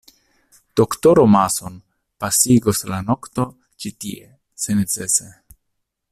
Doktoro Mason pasigos la nokton ĉi tie, se necese.